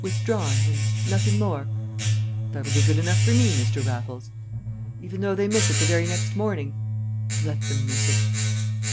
"Withdrawn and nothing more?" "That'll be good enough for me, Mr. Raffles." "Even though they miss it the very next morning?" "Let them miss it."